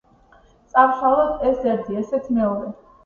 წავშალოთ, ეს ერთი, ესეც მეორე.